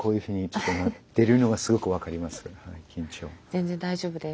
全然大丈夫です。